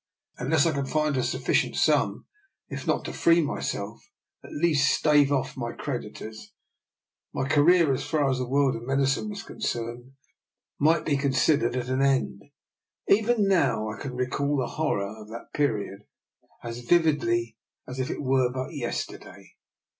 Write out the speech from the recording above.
Unless I could find a sufficient sum if not to free myself, at least to stave off my creditors, my career, as far as the world of medicine was concerned, might be considered at an end. Even now I can recall the horror of that period as viv idly as if it were but yesterday.